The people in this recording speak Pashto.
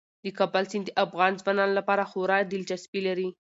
د کابل سیند د افغان ځوانانو لپاره خورا دلچسپي لري.